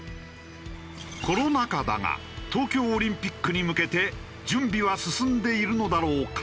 コロナ禍だが東京オリンピックに向けて準備は進んでいるのだろうか？